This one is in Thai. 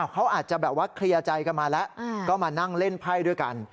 เขาอาจจะแบบว่าเคลียร์ใจกันมาแล้วก็มานั่งเล่นไพ่ด้วยกัน